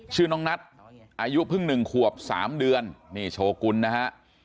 ชื่อน้องนัทอายุเพิ่ง๑ขวบ๓เดือนนี่โชกุลนะฮะ